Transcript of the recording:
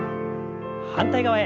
反対側へ。